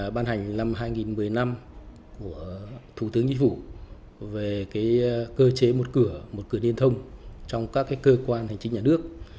ban hành năm hai nghìn một mươi năm của thủ tướng chính phủ về cơ chế một cửa điện thông trong các cơ quan hành chính nhà nước